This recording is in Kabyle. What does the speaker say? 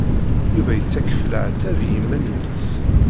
Yuba yettakf leɛtab i yiman-nnes.